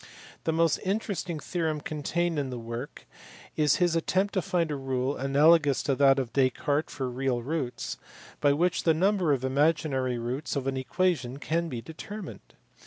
The most interesting theorem contained in the work is his attempt to find a rule (analogous to that of Descartes for real roots) by which the number of imaginary roots of an equation can be determined.